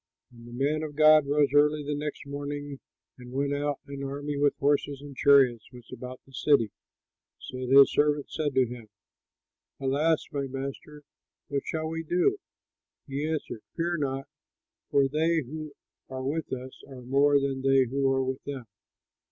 When the man of God rose early the next morning and went out, an army with horses and chariots was about the city; so that his servant said to him, "Alas, my master! What shall we do?" He answered, "Fear not, for they who are with us are more than they who are with them."